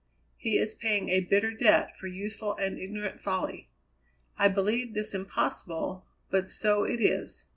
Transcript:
He is paying a bitter debt for youthful and ignorant folly. I believed this impossible, but so it is.